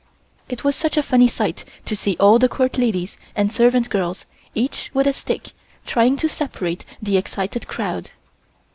It was such a funny sight to see all the Court ladies and servant girls each with a stick trying to separate the excited crowd.